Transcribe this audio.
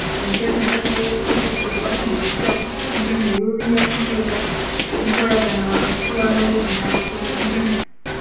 Enteekateeka y'ebisomesebwa ebipya eruubirira kunyweza nkolagana wakati w'abayizi n'abasomesa.